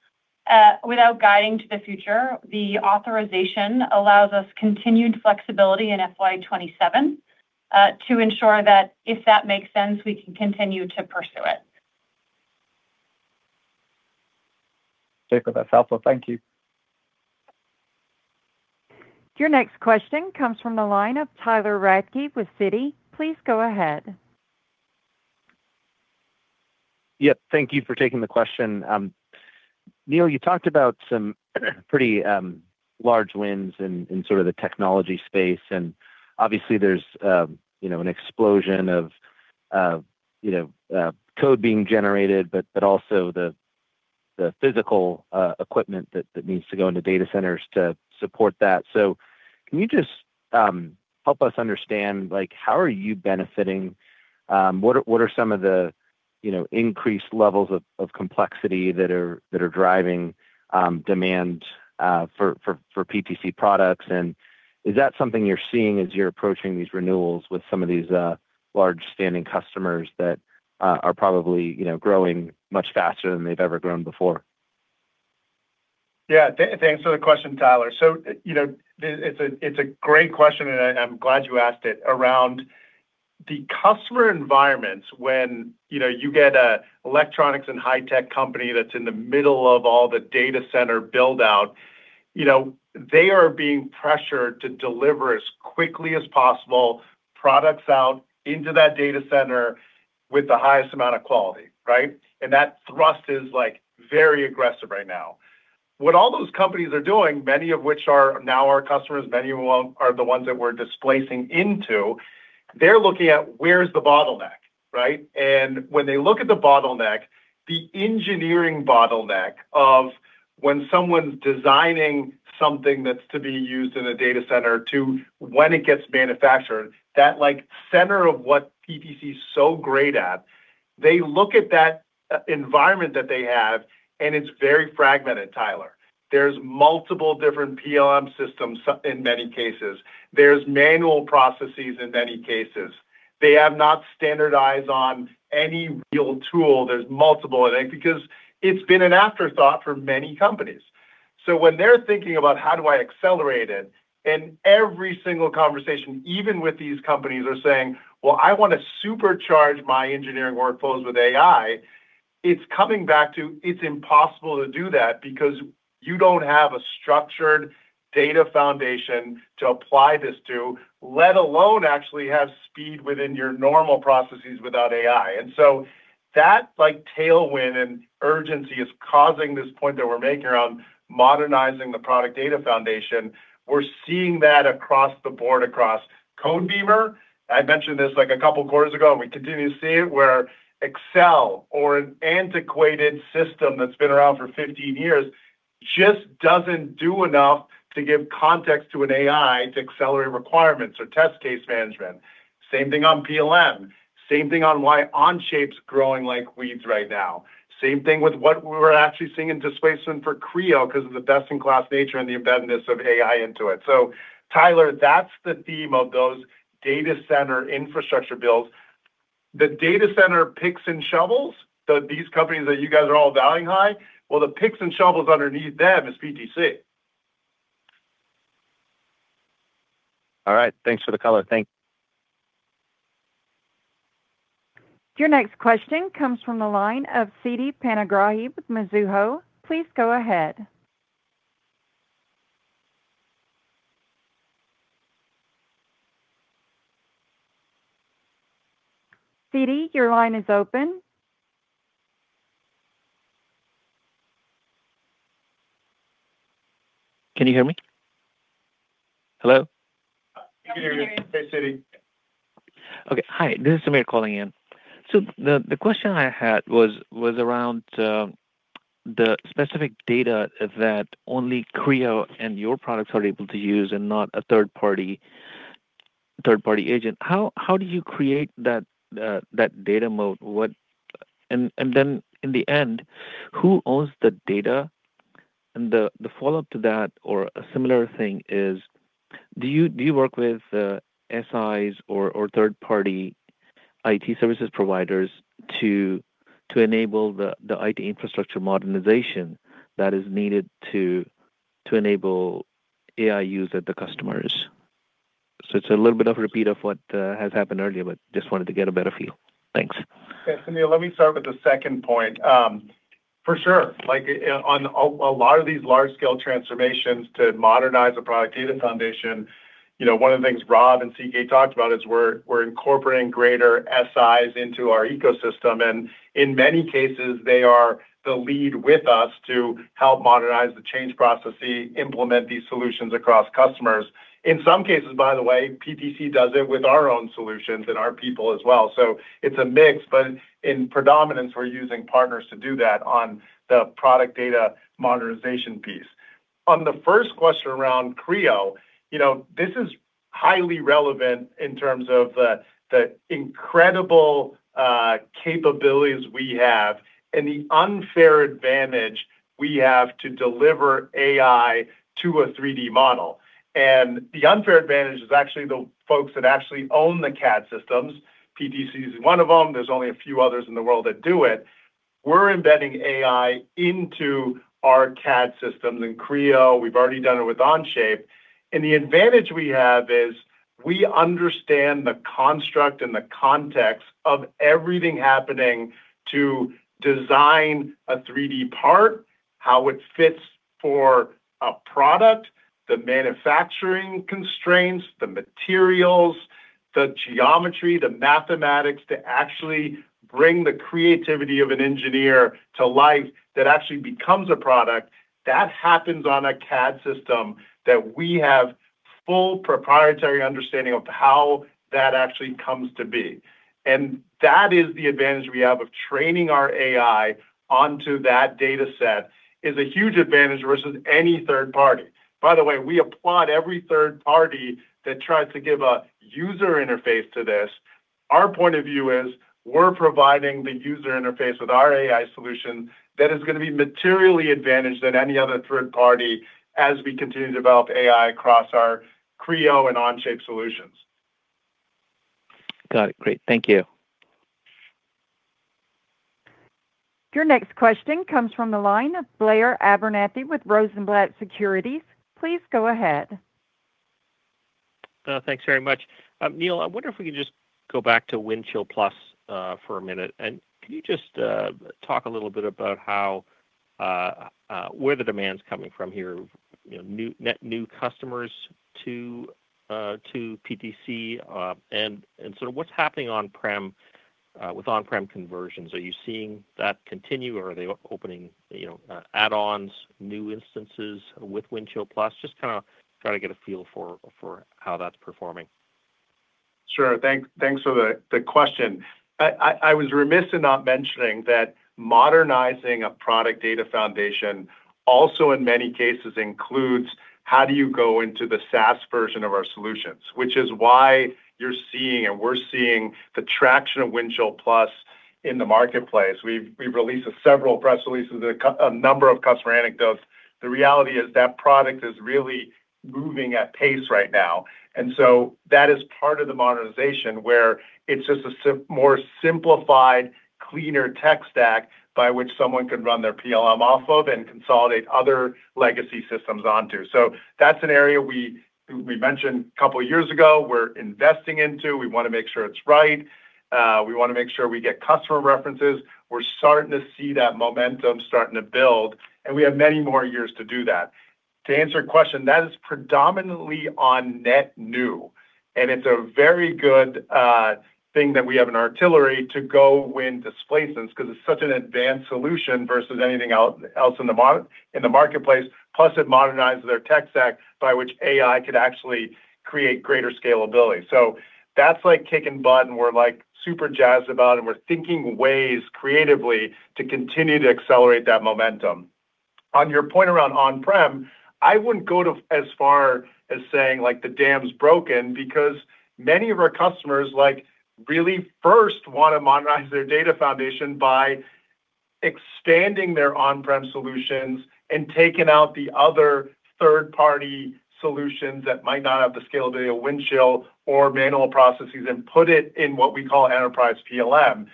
Without guiding to the future, the authorization allows us continued flexibility in FY 2027 to ensure that if that makes sense, we can continue to pursue it. Super. That's helpful. Thank you. Your next question comes from the line of Tyler Radke with Citi. Please go ahead. Yep, thank you for taking the question. Neil, you talked about some pretty large wins in sort of the technology space, and obviously there's, you know, an explosion of, you know, code being generated, but also the physical equipment that needs to go into data centers to support that. Can you just help us understand, like, how are you benefiting? What are some of the, you know, increased levels of complexity that are driving demand for PTC products? Is that something you're seeing as you're approaching these renewals with some of these large standing customers that are probably, you know, growing much faster than they've ever grown before. Yeah. Thanks for the question, Tyler. You know, it's a, it's a great question, and I'm glad you asked it. Around the customer environments, when, you know, you get a electronics and high-tech company that's in the middle of all the data center build-out, you know, they are being pressured to deliver as quickly as possible products out into that data center with the highest amount of quality, right? That thrust is, like, very aggressive right now. What all those companies are doing, many of which are now our customers, many of whom are the ones that we're displacing into, they're looking at where's the bottleneck, right? When they look at the bottleneck, the engineering bottleneck of when someone's designing something that's to be used in a data center to when it gets manufactured, that, like, center of what PTC is so great at, they look at that environment that they have, and it's very fragmented, Tyler. There's multiple different PLM systems in many cases. There's manual processes in many cases. They have not standardized on any real tool. There's multiple of it because it's been an afterthought for many companies. When they're thinking about how do I accelerate it, and every single conversation, even with these companies are saying, "Well, I wanna supercharge my engineering workflows with AI," it's coming back to it's impossible to do that because you don't have a structured data foundation to apply this to, let alone actually have speed within your normal processes without AI. That, like, tailwind and urgency is causing this point that we're making around modernizing the product data foundation. We're seeing that across the board, across Codebeamer. I mentioned this, like, a couple of quarters ago, and we continue to see it, where Excel or an antiquated system that's been around for 15 years just doesn't do enough to give context to an AI to accelerate requirements or test case management. Same thing on PLM. Same thing on why Onshape's growing like weeds right now. Same thing with what we're actually seeing in displacement for Creo because of the best-in-class nature and the embeddedness of AI into it. Tyler, that's the theme of those data center infrastructure builds. The data center picks and shovels, these companies that you guys are all valuing high, well, the picks and shovels underneath them is PTC. All right. Thanks for the color. Your next question comes from the line of Siti Panigrahi with Mizuho. Please go ahead. Siti, your line is open. Can you hear me? Hello? We can hear you. Yeah, we can hear you. Hey, Siti. Okay. Hi, this is Samir calling in. The question I had was around the specific data that only Creo and your products are able to use and not a third party agent. How do you create that data moat? Then in the end, who owns the data? The follow-up to that or a similar thing is, do you work with SIs or third party IT services providers to enable the IT infrastructure modernization that is needed to enable AI use at the customers? It's a little bit of a repeat of what has happened earlier, but just wanted to get a better feel. Thanks. Okay, Samir, let me start with the second point. For sure, like, on a lot of these large scale transformations to modernize the product data foundation, you know, one of the things Rob and CK talked about is we're incorporating greater SIs into our ecosystem. In many cases, they are the lead with us to help modernize the change processes, implement these solutions across customers. In some cases, by the way, PTC does it with our own solutions and our people as well. It's a mix, but in predominance, we're using partners to do that on the product data modernization piece. On the first question around Creo, you know, this is highly relevant in terms of the incredible capabilities we have and the unfair advantage we have to deliver AI to a 3D model. The unfair advantage is actually the folks that actually own the CAD systems. PTC is one of them. There's only a few others in the world that do it. We're embedding AI into our CAD systems in Creo. We've already done it with Onshape. The advantage we have is we understand the construct and the context of everything happening to design a 3D part, how it fits for a product, the manufacturing constraints, the materials, the geometry, the mathematics to actually bring the creativity of an engineer to life that actually becomes a product, that happens on a CAD system that we have full proprietary understanding of how that actually comes to be. That is the advantage we have of training our AI onto that data set is a huge advantage versus any third party. By the way, we applaud every third party that tries to give a user interface to this. Our point of view is we're providing the user interface with our AI solution that is gonna be materially advantaged than any other third party as we continue to develop AI across our Creo and Onshape solutions. Got it. Great. Thank you. Your next question comes from the line of Blair Abernethy with Rosenblatt Securities. Please go ahead. Thanks very much. Neil, I wonder if we could just go back to Windchill+ for a minute. Can you just talk a little bit about how where the demand's coming from here? You know, net new customers to PTC, and sort of what's happening on-prem with on-prem conversions. Are you seeing that continue, or are they opening, you know, add-ons, new instances with Windchill+? Just to kinda try to get a feel for how that's performing. Sure. Thanks for the question. I was remiss in not mentioning that modernizing a product data foundation also, in many cases, includes how do you go into the SaaS version of our solutions, which is why you're seeing and we're seeing the traction of Windchill+ in the marketplace. We've released several press releases, a number of customer anecdotes. The reality is that product is really moving at pace right now. That is part of the modernization, where it's just a more simplified, cleaner tech stack by which someone could run their PLM off of and consolidate other legacy systems onto. So that's an area we mentioned a couple years ago we're investing into. We wanna make sure it's right. We wanna make sure we get customer references. We're starting to see that momentum starting to build, and we have many more years to do that. To answer your question, that is predominantly on net new, and it's a very good thing that we have in artillery to go win displacements, 'cause it's such an advanced solution versus anything else in the marketplace. It modernizes their tech stack by which AI could actually create greater scalability. That's, like, kicking butt, and we're, like, super jazzed about it, and we're thinking ways creatively to continue to accelerate that momentum. On your point around on-prem, I wouldn't go to as far as saying, like, the dam's broken because many of our customers, like, really first wanna modernize their data foundation by expanding their on-prem solutions and taking out the other third-party solutions that might not have the scalability of Windchill or manual processes and put it in what we call enterprise PLM.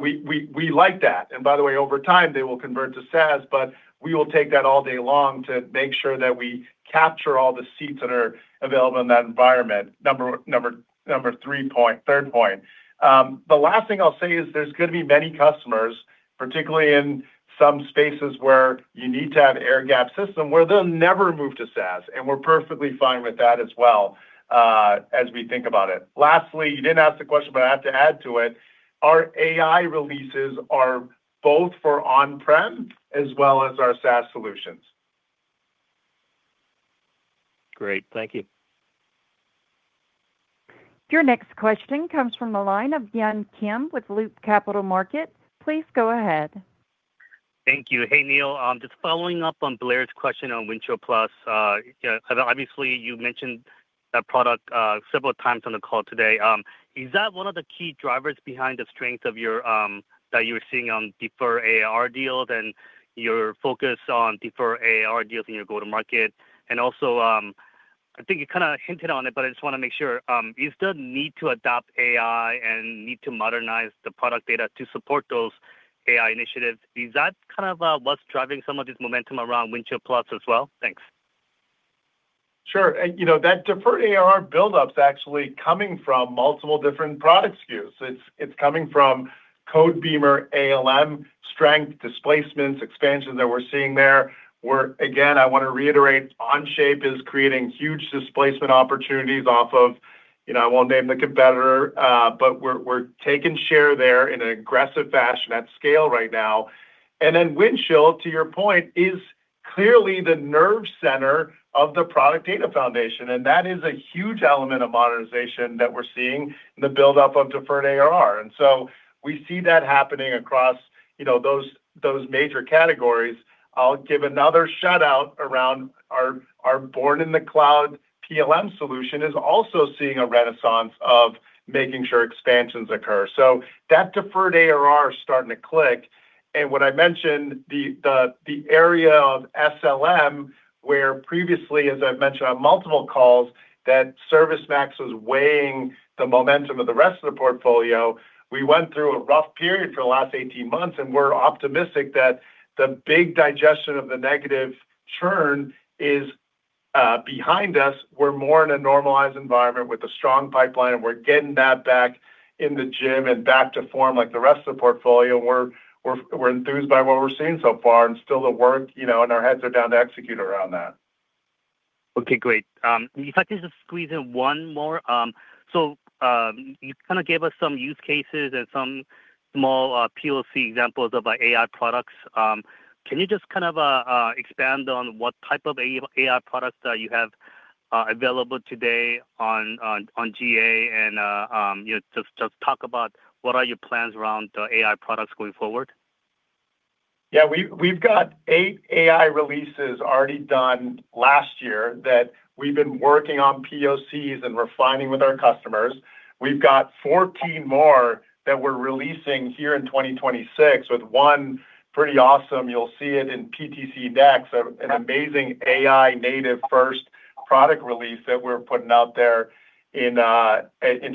We like that. By the way, over time, they will convert to SaaS, but we will take that all day long to make sure that we capture all the seats that are available in that environment. Number three point, third point. The last thing I'll say is there's gonna be many customers, particularly in some spaces where you need to have air-gapped system, where they'll never move to SaaS, and we're perfectly fine with that as well, as we think about it. Lastly, you didn't ask the question, but I have to add to it, our AI releases are both for on-prem as well as our SaaS solutions. Great. Thank you. Your next question comes from the line of Yun Kim with Loop Capital Markets. Please go ahead. Thank you. Hey, Neil. Just following up on Blair's question on Windchill+. Obviously, you mentioned that product several times on the call today. Is that one of the key drivers behind the strength of your that you're seeing on deferred ARR deals and your focus on deferred ARR deals in your go-to-market? Also, I think you kinda hinted on it, but I just wanna make sure. Is the need to adopt AI and need to modernize the product data to support those AI initiatives, is that kind of what's driving some of this momentum around Windchill+ as well? Thanks. Sure. You know, that deferred ARR buildup's actually coming from multiple different product SKUs. It's coming from Codebeamer ALM strength, displacements, expansions that we're seeing there, where, again, I wanna reiterate, Onshape is creating huge displacement opportunities off of, you know, I won't name the competitor, but we're taking share there in an aggressive fashion at scale right now. Windchill, to your point, is clearly the nerve center of the product data foundation, and that is a huge element of modernization that we're seeing in the buildup of deferred ARR. We see that happening across, you know, those major categories. I'll give another shout-out around our born in the cloud PLM solution is also seeing a renaissance of making sure expansions occur. That deferred ARR is starting to click. When I mention the area of SLM, where previously, as I've mentioned on multiple calls, that ServiceMax was weighing the momentum of the rest of the portfolio. We went through a rough period for the last 18 months, we're optimistic that the big digestion of the negative churn is behind us. We're more in a normalized environment with a strong pipeline, and we're getting that back in the gym and back to form like the rest of the portfolio. We're enthused by what we're seeing so far, and still the work, you know, and our heads are down to execute around that. Okay, great. If I could just squeeze in one more. You kinda gave us some use cases and some small POC examples of AI products. Can you just kind of expand on what type of AI products you have available today on GA and, you know, talk about what are your plans around the AI products going forward? Yeah, we've got eight AI releases already done last year that we've been working on POCs and refining with our customers. We've got 14 more that we're releasing here in 2026, with one pretty awesome, you'll see it in PTCx, an amazing AI native first-Product release that we're putting out there in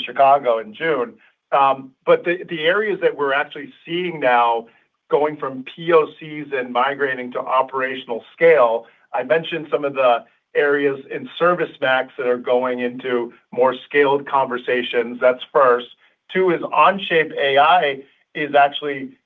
Chicago in June. But the areas that we're actually seeing now going from POCs and migrating to operational scale, I mentioned some of the areas in ServiceMax that are going into more scaled conversations, that's first. Two is Onshape AI is actually,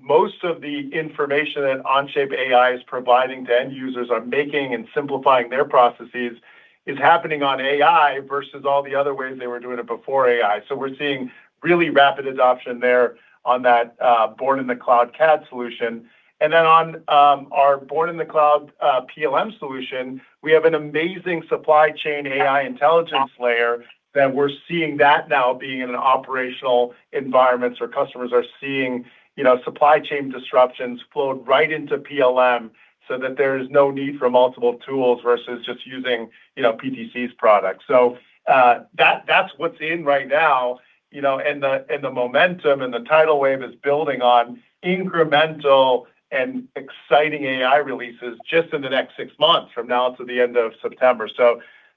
most of the information that Onshape AI is providing to end users are making and simplifying their processes is happening on AI versus all the other ways they were doing it before AI. We're seeing really rapid adoption there on that, born in the cloud CAD solution. On our born in the cloud PLM solution, we have an amazing supply chain AI intelligence layer that we're seeing that now being in an operational environments where customers are seeing, you know, supply chain disruptions flowed right into PLM so that there is no need for multiple tools versus just using, you know, PTC's product. That, that's what's in right now, you know, and the, and the momentum and the tidal wave is building on incremental and exciting AI releases just in the next six months from now to the end of September.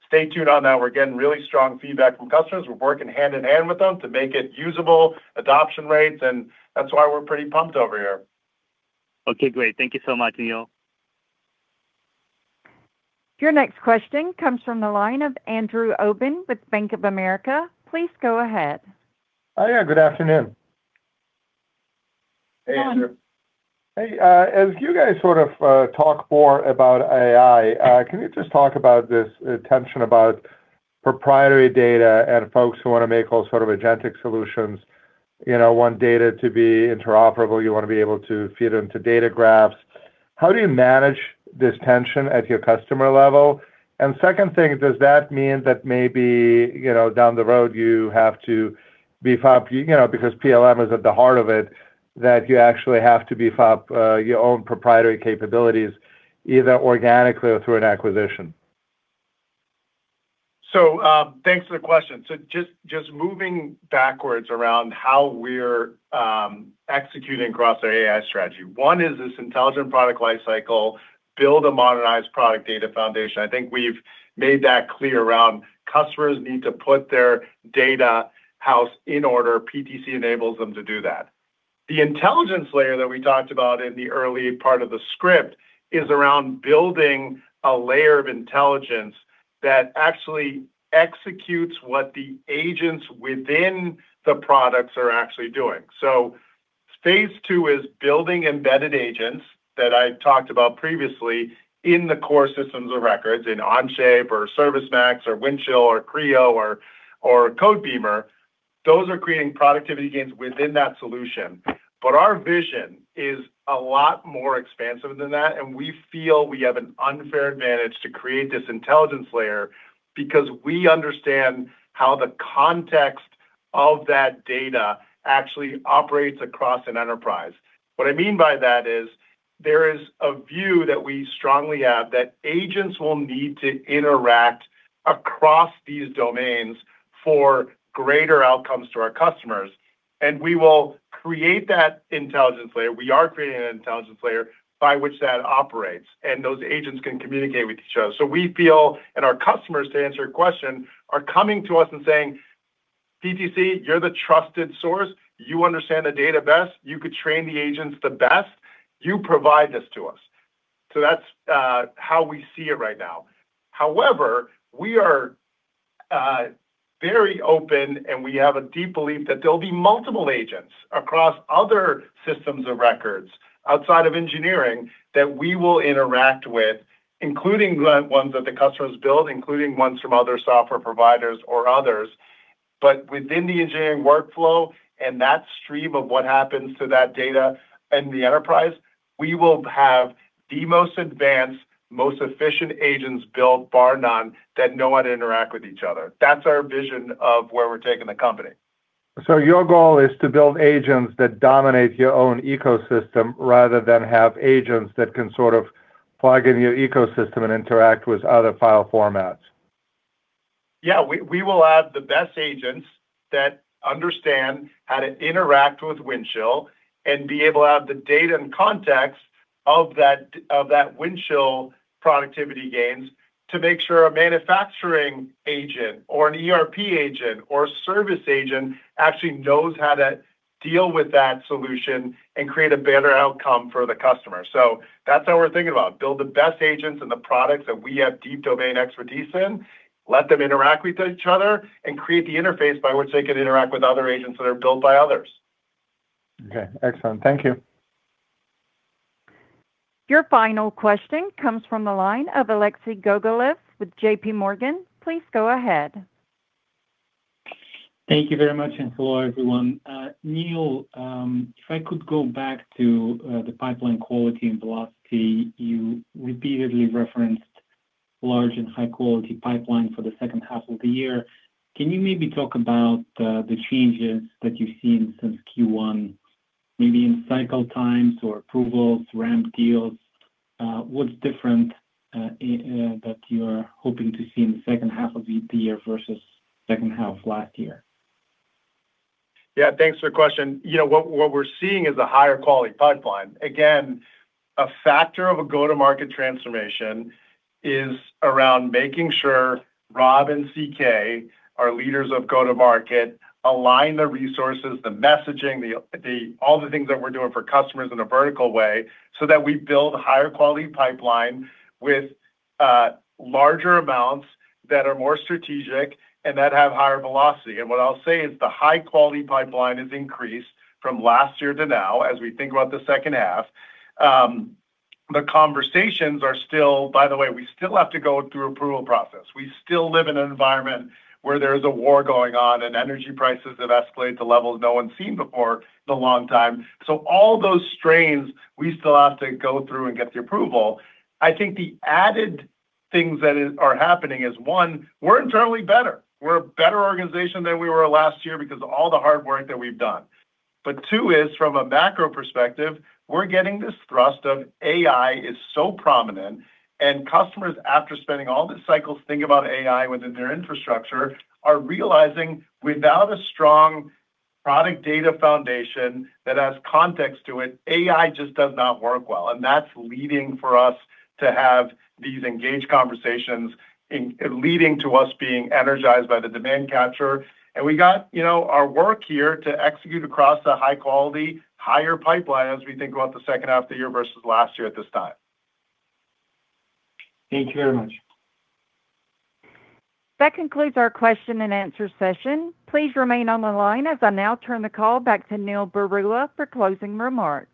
Stay tuned on that. We're getting really strong feedback from customers. We're working hand in hand with them to make it usable, adoption rates, and that's why we're pretty pumped over here. Okay. Great. Thank you so much, Neil. Your next question comes from the line of Andrew Obin with Bank of America. Please go ahead. Oh, yeah, good afternoon. Hey, Andrew. Good morning. As you guys sort of talk more about AI, can you just talk about this tension about proprietary data and folks who wanna make all sort of agentic solutions, you know, want data to be interoperable. You wanna be able to feed them to data graphs. How do you manage this tension at your customer level? Second thing, does that mean that maybe, you know, down the road you have to beef up, you know, because PLM is at the heart of it, that you actually have to beef up your own proprietary capabilities either organically or through an acquisition? Thanks for the question. Just moving backwards around how we're executing across our AI strategy. One is this intelligent product life cycle, build a modernized product data foundation. I think we've made that clear around customers need to put their data house in order. PTC enables them to do that. The intelligence layer that we talked about in the early part of the script is around building a layer of intelligence that actually executes what the agents within the products are actually doing. Stage two is building embedded agents that I talked about previously in the core systems of records in Onshape or ServiceMax or Windchill or Creo or Codebeamer. Those are creating productivity gains within that solution. Our vision is a lot more expansive than that, and we feel we have an unfair advantage to create this intelligence layer because we understand how the context of that data actually operates across an enterprise. What I mean by that is, there is a view that we strongly have that agents will need to interact across these domains for greater outcomes to our customers, and we will create that intelligence layer. We are creating an intelligence layer by which that operates, and those agents can communicate with each other. We feel, and our customers, to answer your question, are coming to us and saying, "PTC, you're the trusted source. You understand the data best. You could train the agents the best. You provide this to us." That's how we see it right now. However, we are very open and we have a deep belief that there'll be multiple agents across other systems of records outside of engineering that we will interact with, including the ones that the customers build, including ones from other software providers or others. Within the engineering workflow and that stream of what happens to that data in the enterprise, we will have the most advanced, most efficient agents built bar none that know how to interact with each other. That's our vision of where we're taking the company. Your goal is to build agents that dominate your own ecosystem rather than have agents that can sort of plug in your ecosystem and interact with other file formats? Yeah. We will have the best agents that understand how to interact with Windchill and be able to have the data and context of that Windchill productivity gains to make sure a manufacturing agent or an ERP agent or service agent actually knows how to deal with that solution and create a better outcome for the customer. That's how we're thinking about it. Build the best agents and the products that we have deep domain expertise in, let them interact with each other, and create the interface by which they can interact with other agents that are built by others. Okay. Excellent. Thank you. Your final question comes from the line of Alexei Gogolev with JPMorgan. Please go ahead. Thank you very much. Hello, everyone. Neil, if I could go back to the pipeline quality and velocity. You repeatedly referenced large and high quality pipeline for the second half of the year. Can you maybe talk about the changes that you've seen since Q1, maybe in cycle times or approvals, ramp deals? What's different that you're hoping to see in the second half of the year versus second half last year? Yeah. Thanks for the question. You know, what we're seeing is a higher quality pipeline. A factor of a go-to-market transformation is around making sure Rob and CK, our leaders of go-to-market, align the resources, the messaging, all the things that we're doing for customers in a vertical way so that we build higher quality pipeline with larger amounts that are more strategic and that have higher velocity. What I'll say is the high quality pipeline has increased from last year to now as we think about the second half. The conversations are still By the way, we still have to go through approval process. We still live in an environment where there is a war going on and energy prices have escalated to levels no one's seen before in a long time. All those strains, we still have to go through and get the approval. I think the added things that are happening is, one, we're internally better. We're a better organization than we were last year because of all the hard work that we've done. Two is, from a macro perspective, we're getting this thrust of AI is so prominent, and customers, after spending all the cycles thinking about AI within their infrastructure, are realizing without a strong product data foundation that has context to it, AI just does not work well. That's leading for us to have these engaged conversations and leading to us being energized by the demand capture. We got, you know, our work here to execute across a high quality, higher pipeline as we think about the second half of the year versus last year at this time. Thank you very much. That concludes our question and answer session. Please remain on the line as I now turn the call back to Neil Barua for closing remarks.